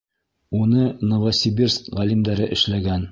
Уны Новосибирск ғалимдары эшләгән.